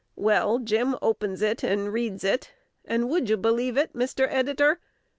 Well, Jim opens it, and reads it; and would you believe it, Mr. Editor?